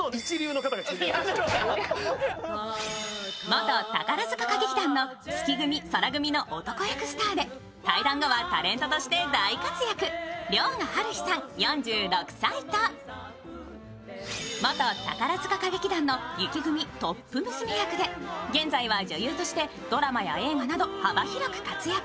元宝塚歌劇団の月組、宙組の男役スターで退団後はタレントとして大活躍、遼河はるひさん４６歳と元宝塚歌劇団の雪組トップ娘役で現在は女優としてドラマや映画など幅広く活躍。